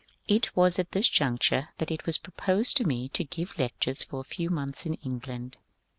It was at this juncture that it was proposed to me to give lectures for a few months in England.